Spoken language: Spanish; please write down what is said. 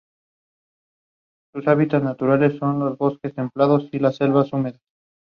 Los pájaros juveniles son muy parecidos a las hembras, pero la garganta es moteada.